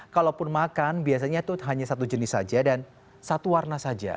kalaupun makan biasanya itu hanya satu jenis saja dan satu warna saja